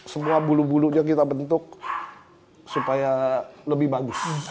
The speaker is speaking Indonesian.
semua bulu bulunya kita bentuk supaya lebih bagus